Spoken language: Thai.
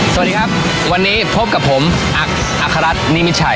สวัสดีครับวันนี้พบกับผมอักอัครรัฐนิมิชัย